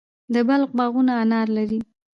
د بلخ باغونه انار لري.